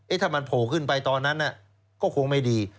ถ้ามันโผล่ขึ้นไปตอนนั้นก็คงไม่ดี